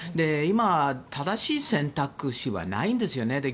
今、正しい選択肢はないんですよね。